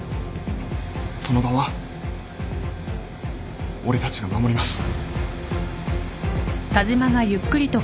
その場は俺たちが守ります。